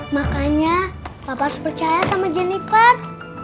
makanya papa harus percaya sama jenniper